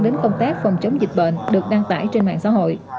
đến công tác phòng chống dịch bệnh được đăng tải trên mạng xã hội